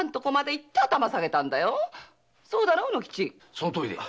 そのとおりで。